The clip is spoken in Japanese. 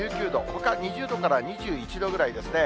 ほか２０度から２１度ぐらいですね。